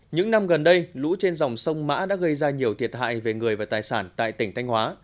những năm gần đây lũ trên dòng sông mã đã gây ra nhiều thiệt hại về người và tài sản tại tỉnh thanh hóa